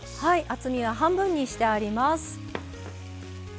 厚みは半分にしてあります。